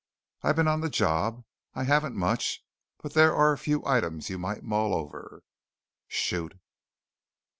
"I've been on the job. I haven't much, but there are a few items you might mull over." "Shoot."